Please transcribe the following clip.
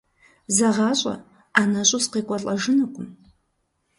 ЗэгъащӀэ, ӀэнэщӀу сыкъекӀуэлӀэжынукъым.